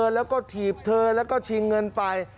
แล้วก็ถีบเธอแล้วก็ชิงเงินไป